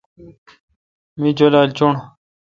می جولال چوݨڈ۔